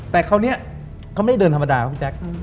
แต่คราวนี้เขาไม่ได้เดินธรรมดาครับพี่แจ๊ค